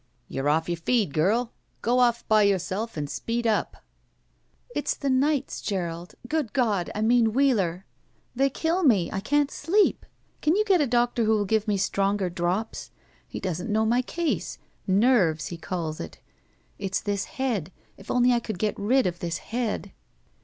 "You're off your feed, girl. Go off by yourself and speed up." "It's the nights, Gerald. Good God — I mean Wheeler! They kill me. I can't sleep. Can't you get a doctor who will give me stronger drops? He doesn't know my case. Nerves, he calls it. It's this head. If only I could get rid of this head!"